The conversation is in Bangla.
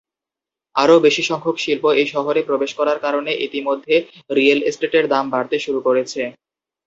আরও বেশি সংখ্যক শিল্প এই শহরে প্রবেশ করার কারণে ইতিমধ্যে রিয়েল এস্টেটের দাম বাড়তে শুরু করেছে।